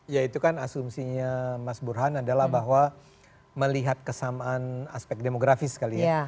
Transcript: ya itu kan asumsinya mas burhan adalah bahwa melihat kesamaan aspek demografis kali ya